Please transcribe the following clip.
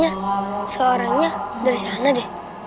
kayaknya suaranya dari sana deh